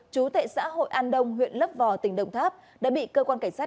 chú tại xã hội an đông huyện lấp vò tỉnh đồng tháp đã bị cơ quan cảnh sát